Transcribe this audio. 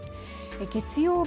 月曜日